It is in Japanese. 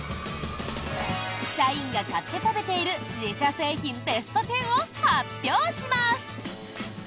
社員が買って食べている自社製品ベスト１０を発表します。